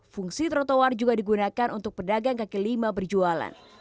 fungsi trotoar juga digunakan untuk pedagang kaki lima berjualan